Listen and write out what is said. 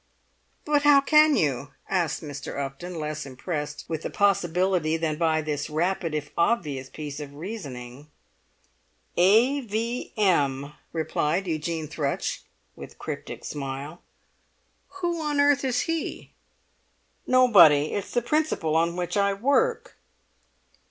"But how can you?" asked Mr. Upton, less impressed with the possibility than by this rapid if obvious piece of reasoning. "A. V. M.!" replied Eugene Thrush, with cryptic smile. "Who on earth is he?" "Nobody; it's the principle on which I work."